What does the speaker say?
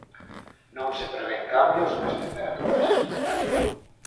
Non se prevén cambios nas temperaturas.